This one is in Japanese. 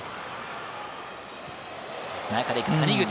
中でいく谷口。